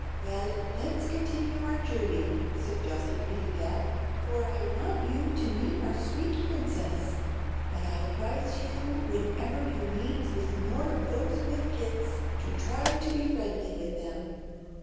"Well, let us continue our journey," suggested Pittypat; "for I want you to meet our sweet Princess. But I advise you, whenever you meet with more of those Mifkets, to try to be friendly with them.